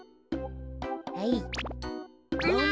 はい。